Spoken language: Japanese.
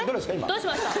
どうしました？